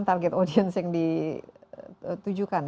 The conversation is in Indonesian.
target audience yang ditujukan